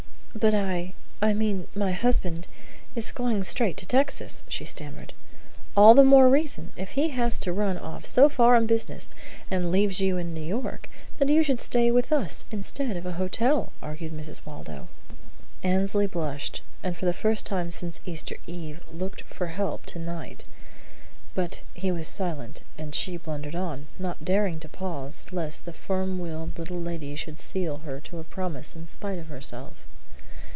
"But I I mean my husband is going straight to Texas," she stammered. "All the more reason, if he has to run off so far on business, and leaves you in New York, that you should stay with us, instead of in a hotel," argued Mrs. Waldo. Annesley blushed, and for the first time since Easter eve looked for help to Knight. But he was silent, and she blundered on, not daring to pause lest the firm willed little lady should seal her to a promise in spite of herself.